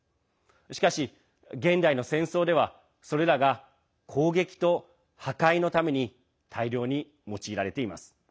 しかし、現代の戦争ではそれらが攻撃と破壊のために大量に用いられています。